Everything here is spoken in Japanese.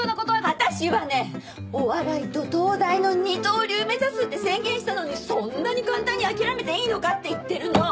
私はねお笑いと東大の二刀流目指すって宣言したのにそんなに簡単に諦めていいのかって言ってるの！